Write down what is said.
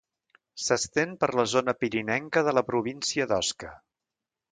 S'estén per la zona pirinenca de la província d'Osca.